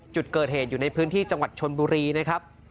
จุดเกิดเหตุอยู่ในพื้นที่จังหวัดชนบุรีนะครับ